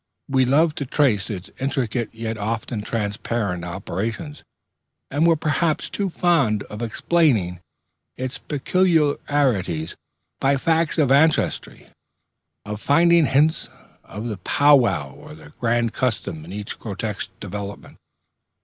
We loved to trace its intricate yet often transparent operations, and were perhaps too fond of explaining its peculiarities by facts of ancestry, of finding hints of the Pow wow or the Grand Custom in each grotesque development.